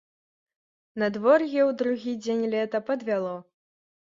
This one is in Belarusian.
Надвор'е ў другі дзень лета падвяло.